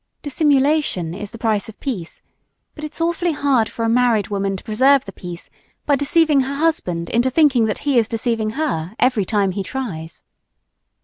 Dissimulation is the price of peace but it's awfully hard for a married woman to preserve the peace by deceiving her husband into thinking that he is deceiving her, every time he tries.